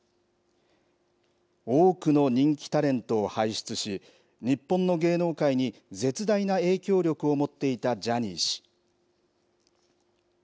多くの人気タレントを輩出し、日本の芸能界に絶大な影響力を持っていたジャニー氏。